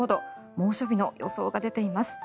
猛暑日の予想が出ています。